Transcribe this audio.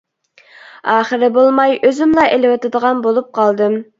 ئاخىرى بولماي ئۆزۈملا ئېلىۋېتىدىغان بولۇپ قالدىم.